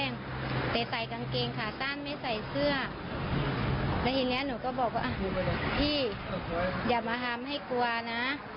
แล้วทีนี้หนูก็บอกว่าพี่อย่ามาทำให้กลัวนะ